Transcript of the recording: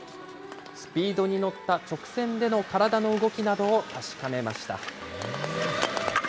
スピードに乗った直線での体の動きなどを確かめました。